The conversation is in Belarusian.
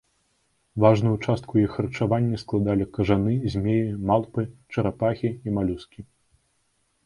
Важную частку іх харчавання складалі кажаны, змеі, малпы, чарапахі і малюскі.